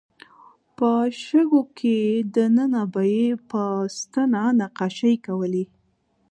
په شګو کې دننه به یې په ستنه نقاشۍ کولې.